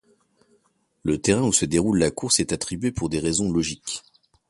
Le terrain où se déroule la course est attribué pour des raisons logiques.